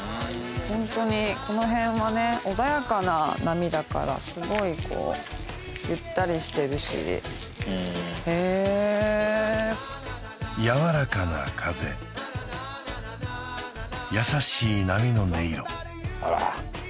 ホントにこの辺はね穏やかな波だからすごいこうへえやわらかな風優しい波の音色